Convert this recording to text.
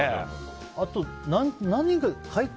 あと、何か。